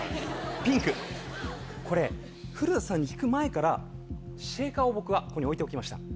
ピンクこれ古田さんに聞く前からシェイカーを僕はここに置いておきました。